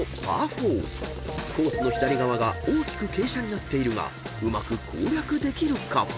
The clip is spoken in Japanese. ［コースの左側が大きく傾斜になっているがうまく攻略できるか］